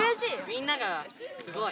みんながすごい。